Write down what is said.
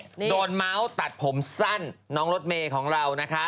อันนี้โดนเมาส์ตัดผมสั้นน้องรถเมว่าของเรานะคะ